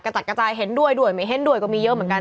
จัดกระจายเห็นด้วยด้วยไม่เห็นด้วยก็มีเยอะเหมือนกัน